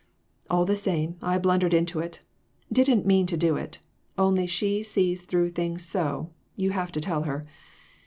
All the same I blundered into it didn't mean to do it, only she sees through things so, you have to tell her."